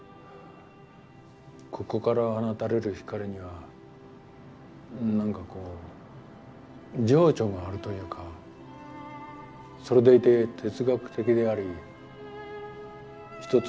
ここから放たれる光にはなんかこう情緒があるというかそれでいて哲学的であり一つ